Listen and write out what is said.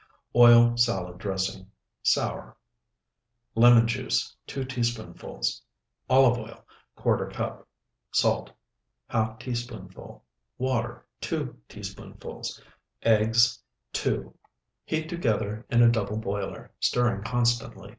OIL SALAD DRESSING (SOUR) Lemon juice, 2 teaspoonfuls. Olive oil, ¼ cup. Salt, ½ teaspoonful. Water, 2 teaspoonfuls. Eggs, 2. Heat together in double boiler, stirring constantly.